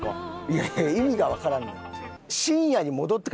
いやいや意味がわからんよ。